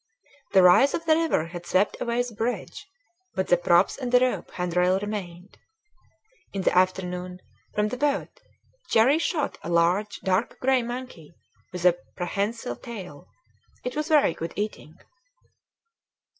The rise of the river had swept away the bridge, but the props and the rope hand rail remained. In the afternoon, from the boat, Cherrie shot a large dark gray monkey with a prehensile tail. It was very good eating.